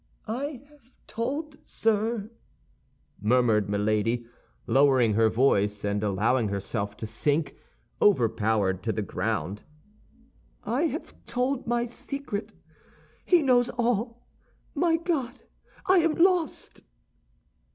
"I have told, sir," murmured Milady, lowering her voice, and allowing herself to sink overpowered to the ground; "I have told my secret! He knows all! My God, I am lost!"